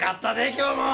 今日も。